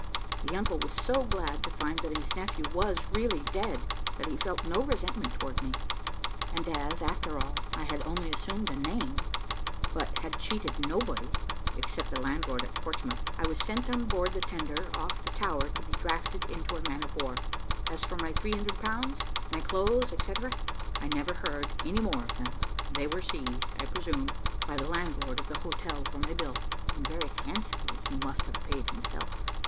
The uncle was so glad to find that his nephew was really dead, that he felt no resentment towards me; and as, after all, I had only assumed a name, but had cheated nobody, except the landlord at Portsmouth, I was sent on board the tender off the Tower to be drafted into a man of war. As for my 300 pounds, my clothes, etc, I never heard any more of them; they were seized, I presume, by the landlord of the hotel for my bill, and very handsomely he must have paid himself.